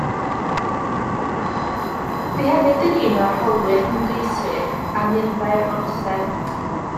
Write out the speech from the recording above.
Bu hefyd yn un o arholwyr ymgeiswyr am urddau'r orsedd.